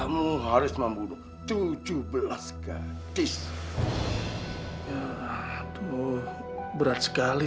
bu udah cepet tunggu apa lagi